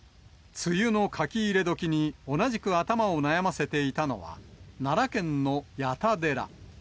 梅雨の書き入れ時に同じく頭を悩ませていたのは、奈良県の矢田寺。